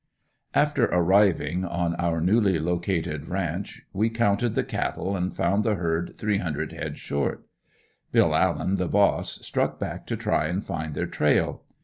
After arriving on our newly located ranch we counted the cattle and found the herd three hundred head short. Bill Allen, the boss, struck back to try and find their trail.